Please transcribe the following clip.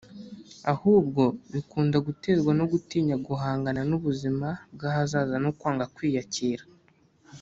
ahubwo bikunda guterwa no gutinya guhangana n’ubuzima bw’ahazaza no kwanga kwiyakira